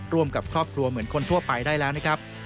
กับครอบครัวเหมือนคนทั่วไปได้แล้วนะครับ